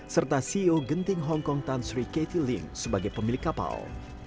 serta ceo genting hong kong townsry katie ling sebagai pemilik kapal